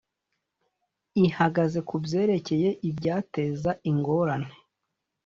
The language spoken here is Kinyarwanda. Ihagaze ku byerekeye ibyateza ingorane